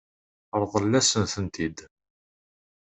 Ṛḍel-asen-tent-id.